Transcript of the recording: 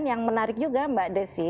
dan yang menarik juga mbak desi